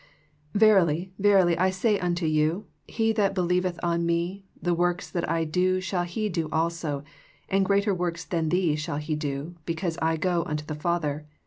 Verily, verily, I say unto you, He that believeth on 3Ie, the works that I do shall he do also ; and greater works than these shall he do : because I go unto the Father.